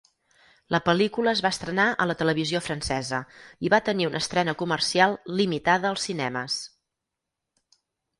La pel·lícula es va estrenar a la televisió francesa i va tenir una estrena comercial limitada als cinemes.